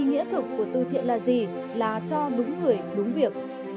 ý nghĩa thực của tư thiện là gì là cho đúng người đúng việc